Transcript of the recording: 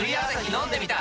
飲んでみた！